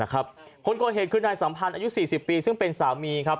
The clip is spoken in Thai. คนก่อเหตุคือนายสัมพันธ์อายุ๔๐ปีซึ่งเป็นสามีครับ